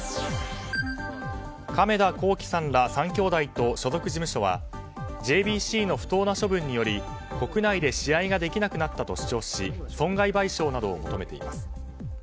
亀田興毅さんら３兄弟と所属事務所はＪＢＣの不当な処分により国内で試合ができなくなったと主張し損害賠償などを求めています。